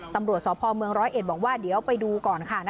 ตำรวจศพเมือง๑๐๑บอกว่าเดี๋ยวไปดูก่อนค่ะ